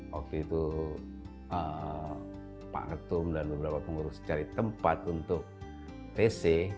waktu itu pak ketum dan beberapa pengurus cari tempat untuk tc